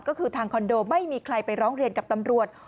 ก็คือทางคอนโดไม่มีใครไปร้องเรียนกับตำรวจ